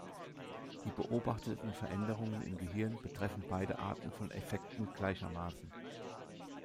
Die beobachten Veränderungen im Gehirn betreffen beide Arten von Effekten gleichermaßen.